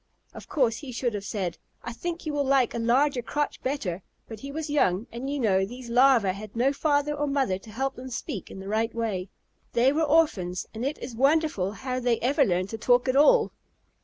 Of course he should have said, "I think you will like a larger crotch better," but he was young, and, you know, these Larvæ had no father or mother to help them speak in the right way. They were orphans, and it is wonderful how they ever learned to talk at all.